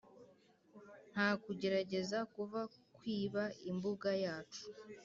nta kugerageza kuva kwiba imbuga yacu,